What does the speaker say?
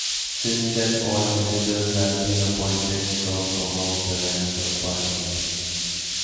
Since then, all ministers have been appointed from among the ranks of Parliament.